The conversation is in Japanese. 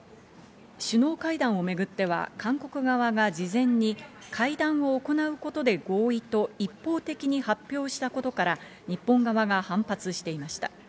首脳会談をめぐっては韓国側が事前に会談を行うことで合意と一方的に発表したことから、日本側が反発していました。